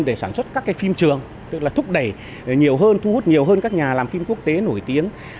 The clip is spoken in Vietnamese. để sản xuất các cái phim trường tức là thúc đẩy nhiều hơn thu hút nhiều hơn các nhà làm phim quốc tế nổi tiếng